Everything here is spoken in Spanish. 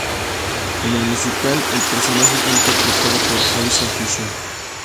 En el musical el personaje fue interpretado por Allison Fischer.